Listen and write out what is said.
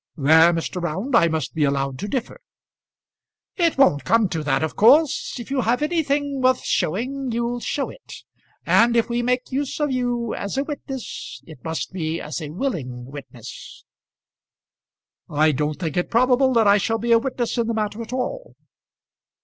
"There, Mr. Round, I must be allowed to differ." "It won't come to that, of course. If you have anything worth showing, you'll show it; and if we make use of you as a witness, it must be as a willing witness." "I don't think it probable that I shall be a witness in the matter at all."